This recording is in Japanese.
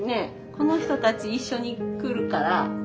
この人たち一緒に来るから。